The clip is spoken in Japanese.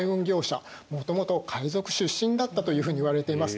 もともと海賊出身だったというふうにいわれています。